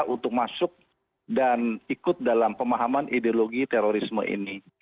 untuk masuk dan ikut dalam pemahaman ideologi terorisme ini